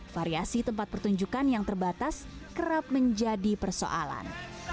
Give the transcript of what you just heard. variasi tempat pertunjukan yang terbatas kerap menjadi persoalan